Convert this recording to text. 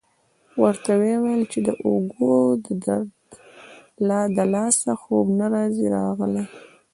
ورته ویې ویل چې د اوږو د درد له لاسه خوب نه دی راغلی.